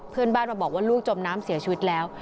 เพื่อนบ้านมาบอกว่าลูกจมน้ำเสียชีวิตแล้ว